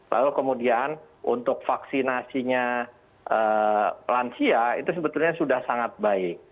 lalu kemudian untuk vaksinasinya lansia itu sebetulnya sudah sangat baik